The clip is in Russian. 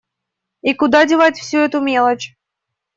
И куда девать всю эту мелочь?